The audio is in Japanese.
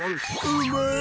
うまい！